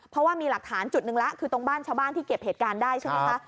เพราะว่ามีหลักฐานจุดหนึ่งแล้วคือตรงบ้านชาวบ้านที่เก็บเหตุการณ์ได้ใช่ไหมคะ